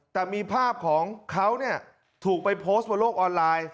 แต่มีภาพของเขาถูกไปโพสต์บนโลกออนไลน์